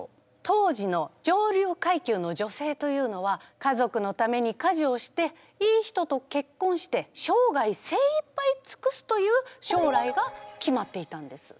当時の上流階級の女性というのは家族のために家事をしていい人と結婚して生涯精いっぱい尽くすという将来が決まっていたんです。